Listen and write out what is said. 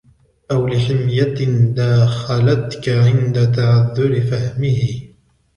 أَوْ لِحَمِيَّةٍ دَاخَلَتْك عِنْدَ تَعَذُّرِ فَهْمِهِ